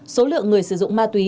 số lượng người sử dụng ma túy